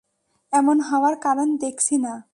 এমন হওয়ার কারণ দেখছি না।